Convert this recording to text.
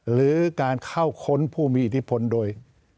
หรือการเข้าค้นผู้มีอิทธิพลโดย